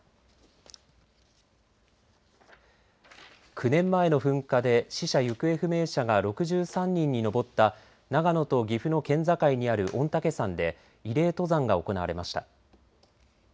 ９年前の噴火で死者・行方不明者が６３人に上った長野と岐阜の県境にある御嶽山で慰霊登山が行われました。